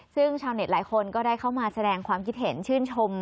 ซึ่งชาวเน็ตหลายคนก็ได้เข้ามาแสดงความคิดเห็นชื่นชม